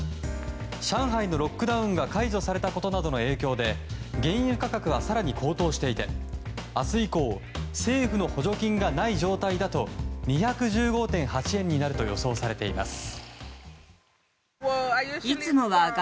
上海のロックダウンが解除されたことなどの影響で原油価格は更に高騰していて明日以降政府の補助金がない状態だと２１５．８円になると予想されています。